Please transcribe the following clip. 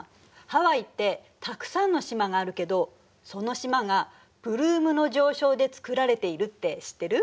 ハワイってたくさんの島があるけどその島がプルームの上昇でつくられているって知ってる？